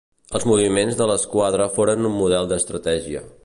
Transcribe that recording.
Els moviments de l'esquadra foren un model d'estratègia.